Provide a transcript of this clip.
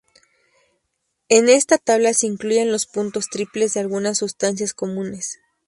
En esta tabla se incluyen los puntos triples de algunas sustancias comunes.